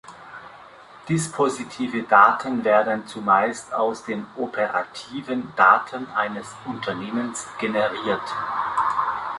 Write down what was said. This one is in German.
Dispositive Daten werden zumeist aus den operativen Daten eines Unternehmens generiert.